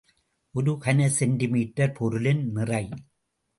ஒரு கன செண்டிமீட்டர் பொருளின் நிறை.